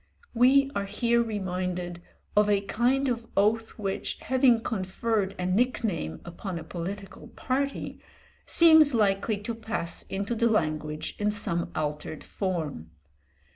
We are here reminded of a kind of oath which, having conferred a nick name upon a political party, seems likely to pass into the language in some altered form.